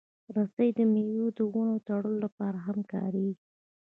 رسۍ د مېوې د ونو تړلو لپاره هم کارېږي.